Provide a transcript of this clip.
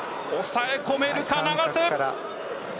抑え込めるか、永瀬。